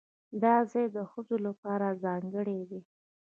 دا ځای د ښځو لپاره ځانګړی دی.